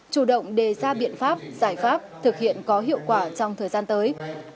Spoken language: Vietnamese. chủ động đề ra biện pháp giải pháp thực hiện có hiệu quả trong thời gian tới